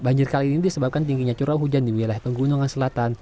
banjir kali ini disebabkan tingginya curah hujan di wilayah pegunungan selatan